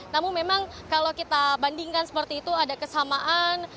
namun memang kalau kita bandingkan seperti itu ada kesamaan